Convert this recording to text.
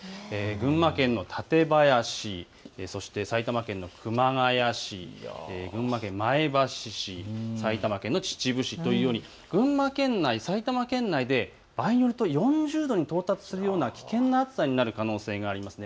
群馬県の館林、そして埼玉県の熊谷市と群馬県前橋市、埼玉県秩父市、群馬県内、埼玉県内で４０度に到達するような危険な暑さになる可能性があります。